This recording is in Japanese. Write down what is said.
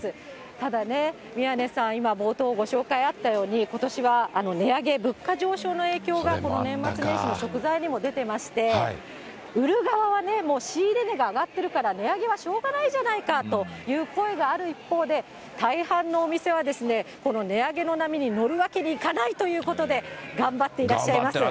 ただね、宮根さん、今、冒頭ご紹介あったように、ことしは値上げ、物価上昇の影響がこの年末年始の食材にも出ていまして、売る側はね、もう仕入れ値が上がってるから値上げはしょうがないじゃないかという声がある一方で、大半のお店は、この値上げの波に乗るわけにいかないということで、頑張っていらっしゃいます。